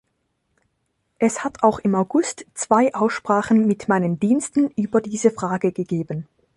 Es hat auch im August zwei Aussprachen mit meinen Diensten über diese Frage gegeben.